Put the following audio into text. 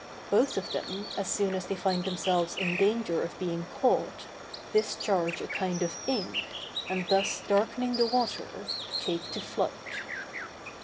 Both of them, as soon as they find themselves in danger of being caught, discharge a kind of ink, and thus darkening the water, take to flight.